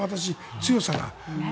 強さが。